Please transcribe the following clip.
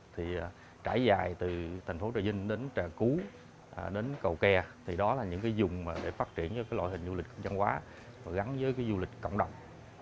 thì trải dài từ thành phố trà vinh đến trà cú đến cầu kè thì đó là những cái dùng để phát triển loại hình du lịch văn hóa và gắn với cái du lịch cộng đồng